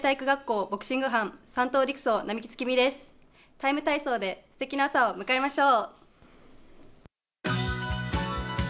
「ＴＩＭＥ，体操」ですてきな朝を迎えましょう。